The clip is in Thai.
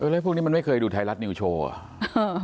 และพวกนี้มันไม่เคยดูไทยลักษณ์นิวโชว์อะ